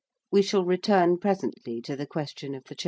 We shall return presently to the question of the churches.